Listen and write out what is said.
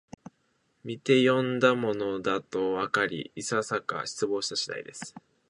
みてよんだものだとわかり、いささか失望した次第です